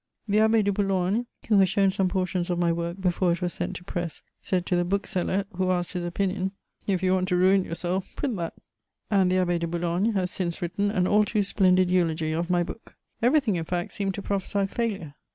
The Abbé de Boulogne, who was shown some portions of my work before it was sent to press, said to the bookseller who asked his opinion: "If you want to ruin yourself, print that." And the Abbé de Boulogne has since written an all too splendid eulogy of my book. Everything, in fact, seemed to prophesy failure.